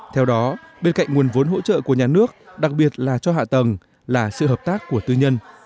theo đó bên cạnh nguồn vốn hỗ trợ của nhà nước đặc biệt là cho hạ tầng là sự hợp tác của tư nhân